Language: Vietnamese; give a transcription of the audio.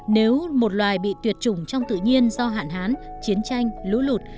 nếu một loài bị tuyệt chủng trong tự nhiên do hạn hán chiến tranh lũ lụt